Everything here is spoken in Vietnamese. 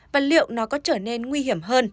và liệu nó có trở nên nguy hiểm hơn